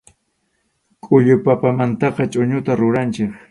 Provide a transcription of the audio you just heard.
Khullu papamantaqa chʼuñuta ruranchik.